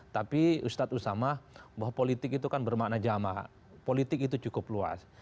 tapi ustadz usama bahwa politik itu kan bermakna jamah politik itu cukup luas